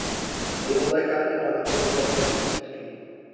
Styl oblékání má napodobovat prostitutky.